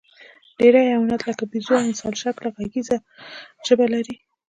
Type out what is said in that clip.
ډېری حیوانات، لکه بیزو او انسانشکله غږیزه ژبه لري.